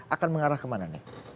akan mengarah kemana nih